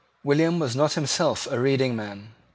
William was not himself a reading man.